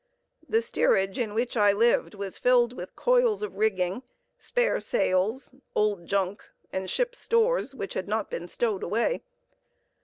The steerage in which I lived was filled with coils of rigging, spare sails, old junk, and ship stores, which had not been stowed away.